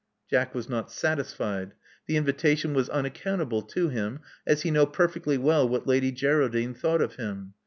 Jack was not satisfied : the invitation was unaccount able to him, as he knew perfectly well what Lady Geraldine thought of him.